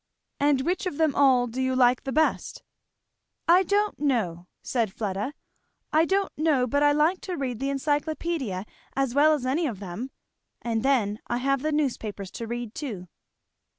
"And which of them all do you like the best?" "I don't know," said Fleda, "I don't know but I like to read the Encyclopædia as well as any of them. And then I have the newspapers to read too."